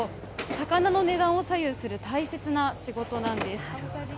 魚の値段を左右する、大切な仕事なんです。